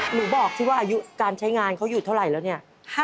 หนูบอกสิว่าอายุการใช้งานเขาอยู่เท่าไหร่แล้วเนี่ย